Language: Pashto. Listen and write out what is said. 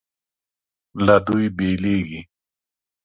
له دوی بېلېږي.